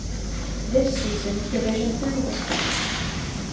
This season Division Three was formed.